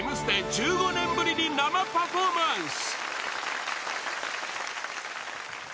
１５年ぶりに生パフォーマンス！